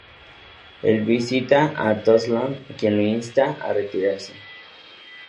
Él visita a Tolson, quien lo insta a retirarse.